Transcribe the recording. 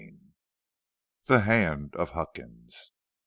THE HAND OF HUCKINS.